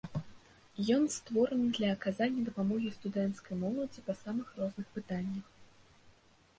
Ён створаны для аказання дапамогі студэнцкай моладзі па самых розных пытаннях.